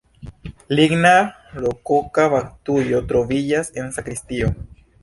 Ligna rokoka baptujo troviĝas en sakristio.